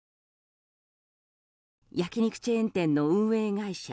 焼き肉チェーン店の運営会社